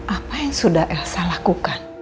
apa yang sudah elsa lakukan